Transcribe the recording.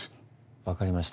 わかりました。